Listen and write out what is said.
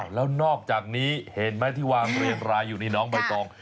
แล้วนอกจากนี้เห็นไหมที่วางเรียงรายอยู่นี่น้องใบตอง